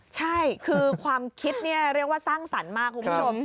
ใช่คือความคิดเนี่ยเรียกว่าสร้างสรรค์มากคุณผู้ชม